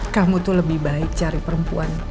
kamu tuh lebih baik cari perempuan